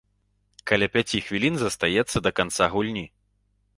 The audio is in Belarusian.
Каля пяці хвілін застаецца да канца гульні.